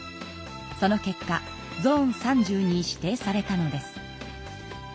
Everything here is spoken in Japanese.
その結果ゾーン３０に指定されたのです。